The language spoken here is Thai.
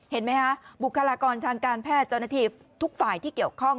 เห็นไหมคะบุคลากรทางการแพทย์เจ้าหน้าที่ทุกฝ่ายที่เกี่ยวข้อง